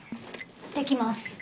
いってきます。